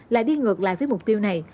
lại đi ngược lại với mục tiêu này